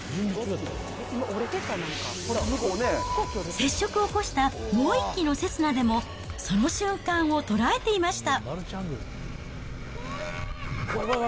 接触を起こしたもう１機のセスナでも、その瞬間を捉えていました。